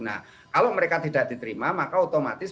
nah kalau mereka tidak diterima maka otomatis